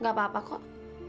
gak apa apa kok